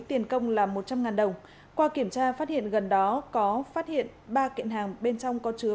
tiền công là một trăm linh đồng qua kiểm tra phát hiện gần đó có phát hiện ba kiện hàng bên trong có chứa